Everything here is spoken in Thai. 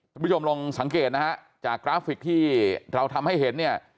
คุณผู้ชมลองสังเกตนะฮะจากกราฟิกที่เราทำให้เห็นเนี่ย